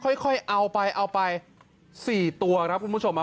ค่อยค่อยเอาไปเอาไปสี่ตัวนะครับ